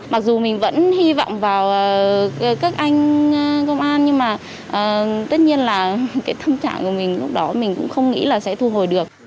mặc dù mình vẫn hy vọng vào các anh công an nhưng mà tất nhiên là cái tâm trạng của mình lúc đó mình cũng không nghĩ là sẽ thu hồi được